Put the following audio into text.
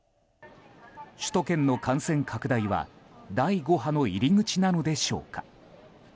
首都圏の感染拡大は第５波への入り口なのでしょうか。